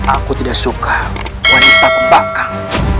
aku tidak suka wanita tembakau